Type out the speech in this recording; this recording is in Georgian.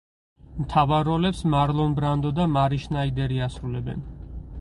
მთავარ როლებს მარლონ ბრანდო და მარი შნაიდერი ასრულებენ.